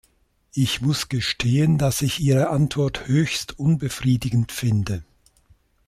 Ich muss gestehen, dass ich Ihre Antwort höchst unbefriedigend finde.